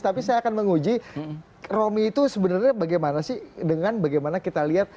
tapi saya akan menguji romy itu sebenarnya bagaimana sih dengan bagaimana kita lihat